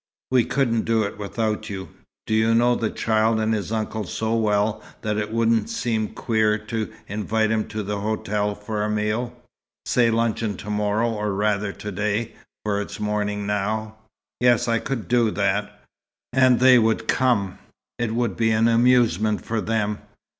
We couldn't do it without you. Do you know the child and his uncle so well that it wouldn't seem queer to invite them to the hotel for a meal say luncheon to morrow, or rather to day for it's morning now?" "Yes, I could do that. And they would come. It would be an amusement for them.